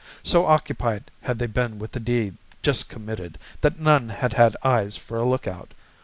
So occupied had they been with the deed just committed, that none had had eyes for a lookout.